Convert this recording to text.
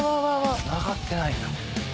つながってないんだ。